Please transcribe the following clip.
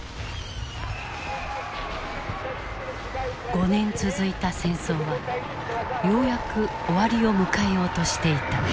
５年続いた戦争はようやく終わりを迎えようとしていた。